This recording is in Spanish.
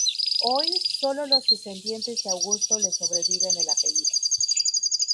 Hoy, solo los descendientes de Augusto le sobreviven el apellido.